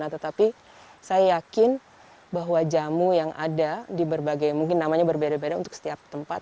tetapi saya yakin bahwa jamu yang ada di berbagai mungkin namanya berbeda beda untuk setiap tempat